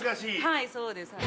はいそうです。